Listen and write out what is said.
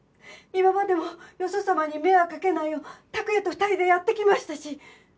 今までもよそ様に迷惑かけないよう託也と２人でやってきましたし。